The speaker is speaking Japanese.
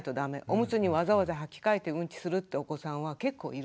おむつにわざわざはき替えてうんちするってお子さんは結構いるんですね。